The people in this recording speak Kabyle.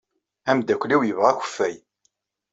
Ameddakel-inu yebɣa akeffay.